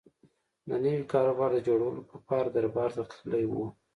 د نوي کاروبار د جوړولو په پار دربار ته تللی و.